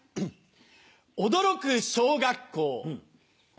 驚く小学校。